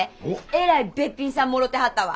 えらいべっぴんさんもろてはったわ。